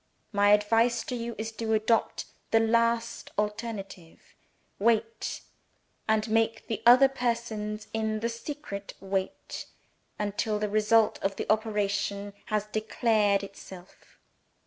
My advice to you is to adopt the last alternative. Wait (and make the other persons in the secret wait) until the result of the operation has declared itself.'